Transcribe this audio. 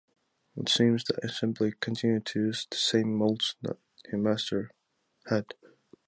It seems that he simply continued to use the same molds that his master had.